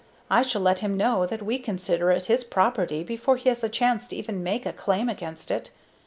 I shall let him know that we consider it his property before he has a chance to even make a claim against it.